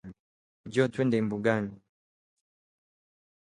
Njoo twende mbugani